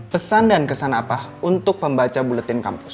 pesan dan kesan apa untuk membaca buletin kampus